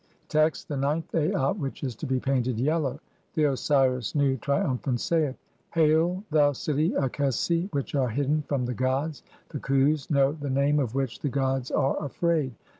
Text : (1) The ninth Aat [which is to be painted] yellow. The Osiris Nu, triumphant, saith :— "Hail, thou city Akesi, which art hidden (2) from the gods, "the Khus know the name of which the gods are afraid.